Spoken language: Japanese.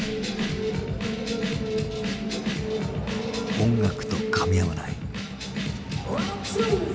音楽とかみ合わない。